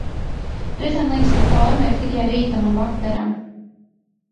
Reizēm liekas, ka forma ir tikai rītam un vakaram.